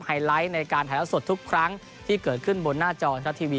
ไลท์ในการถ่ายละสดทุกครั้งที่เกิดขึ้นบนหน้าจอทัศทีวี